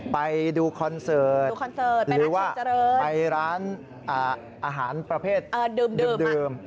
ไปดูคอนเสิร์ตไปร้านอาหารประเภทดื่ม